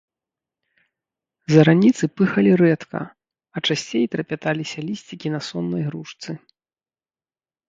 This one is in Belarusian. Зараніцы пыхалі рэдка, а часцей трапяталіся лісцікі на соннай грушцы.